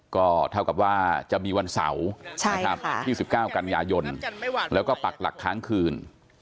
ก็เท่ากับว่าจะมีวันเสาร์ที่๑๙กันยายนแล้วก็ปักหลักค้างคืน